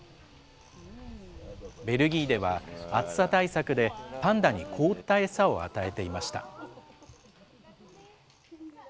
ベルギーでは、暑さ対策でパンダに凍った餌を与えていました。